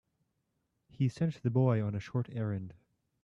He sent the boy on a short errand.